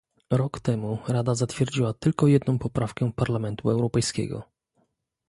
Rok temu Rada zatwierdziła tyko jedną poprawkę Parlamentu Europejskiego